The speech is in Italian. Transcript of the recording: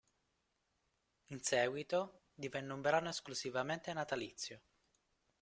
In seguito, divenne un brano esclusivamente natalizio.